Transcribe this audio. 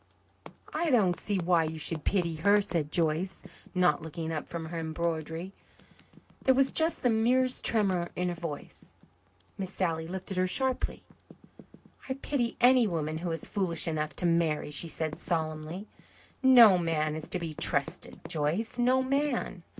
"I don't see why you should pity her," said Joyce, not looking up from her embroidery. There was just the merest tremor in her voice. Miss Sally looked at her sharply. "I pity any woman who is foolish enough to marry," she said solemnly. "No man is to be trusted, Joyce no man.